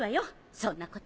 そんなこと。